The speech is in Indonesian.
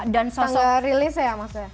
tanggal rilis ya maksudnya